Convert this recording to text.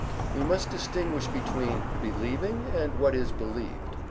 (2) We must distinguish between believing and what is believed.